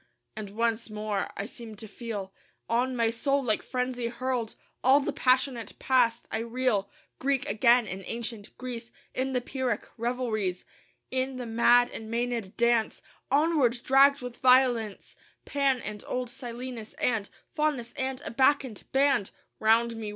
And once more I seem to feel On my soul, like frenzy, hurled All the passionate past. I reel, Greek again in ancient Greece, In the Pyrrhic revelries; In the mad and Mænad dance; Onward dragged with violence: Pan and old Silenus and Faunus and a Bacchant band Round me.